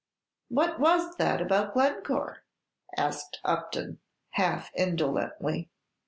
"What was that about Glencore?" asked Upton, half indolently.